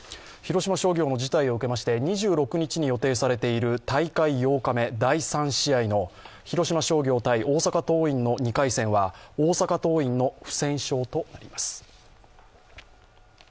広島商業の事態を受けまして２６日に予定されている大会８日目第３試合の広島商業×大阪桐蔭の２回戦は大阪桐蔭の不戦勝となります。